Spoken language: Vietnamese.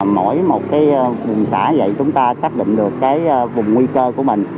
mỗi một vùng xã dậy chúng ta xác định được vùng nguy cơ của mình